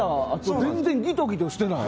全然ギトギトしてない。